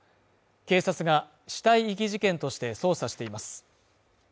警察が死体遺棄事件として捜査しています。